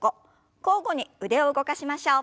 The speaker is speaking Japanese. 交互に腕を動かしましょう。